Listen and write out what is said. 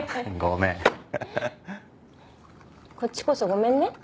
こっちこそごめんね。